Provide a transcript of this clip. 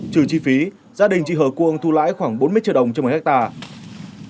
trừ chi phí gia đình chị hờ cuông thu lãi khoảng bốn mươi triệu đồng trên một hectare